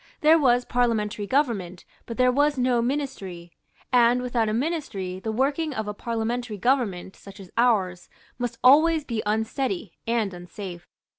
There was parliamentary government; but there was no Ministry; and, without a Ministry, the working of a parliamentary government, such as ours, must always be unsteady and unsafe.